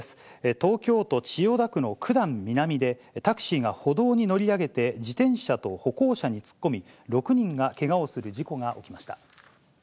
東京都千代田区の九段南で、タクシーが歩道に乗り上げて、自転車と歩行者に突っ込み、６人がけがをする事故が起きました。